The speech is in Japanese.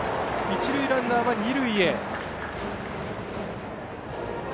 一塁ランナーは二塁へ。